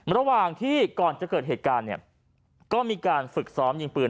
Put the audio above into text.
ระหว่างที่ก่อนจะเกิดเหตุการณ์เนี่ยก็มีการฝึกซ้อมยิงปืน